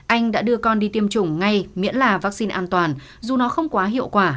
anh đã đưa con đi tiêm chủng ngay miễn là vaccine an toàn dù nó không quá hiệu quả